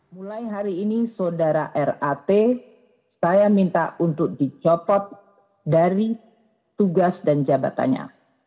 mulai hari ini saudara rat saya minta untuk dicopot dari tugas dan jabatannya